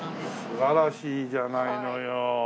素晴らしいじゃないのよ！